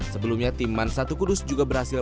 sebelumnya tim mansatu kudus juga berhasil